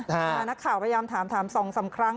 นักข่าวพยายามถาม๒๓ครั้ง